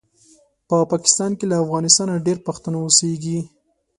په پاکستان کې له افغانستانه ډېر پښتانه اوسیږي